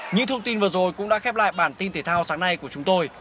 những thông tin vừa rồi cũng đã khép lại bản tin thể thao sáng nay của chúng tôi